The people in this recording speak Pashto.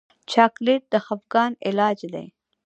چاکلېټ د خفګان علاج دی.